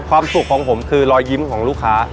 ความสุขของผมคือรอยยิ้มของลูกค้า